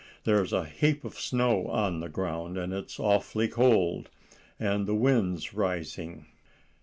There's a heap of snow on the ground, it's awfully cold, and the wind's rising."